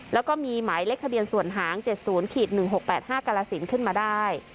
แล้วก็มีหมายเลขทะเบียนส่วนหาง๗๐๑๖๘๕กรสินขึ้นมาได้